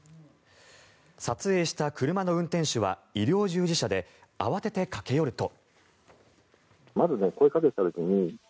撮影した車の運転手は医療従事者で慌てて駆け寄ると。